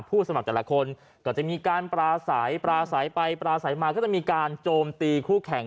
ผู้สำหรับแต่ละคนก็จะมีการปลาสายปลาสายไปปลาสายมาก็จะมีการโจมตีคู่แข่ง